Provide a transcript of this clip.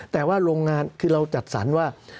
แต่ว่าโรงงานคือเราจัดสรรว่า